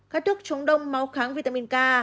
các thuốc chống đông máu kháng vitamin k